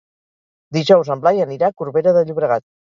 Dijous en Blai anirà a Corbera de Llobregat.